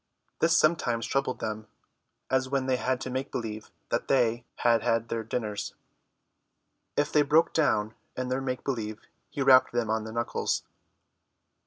This sometimes troubled them, as when they had to make believe that they had had their dinners. If they broke down in their make believe he rapped them on the knuckles.